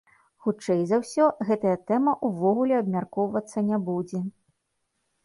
Хутчэй за ўсё, гэтая тэма ўвогуле абмяркоўвацца не будзе.